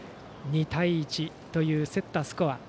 ２対１という競ったスコア。